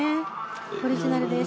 オリジナルです。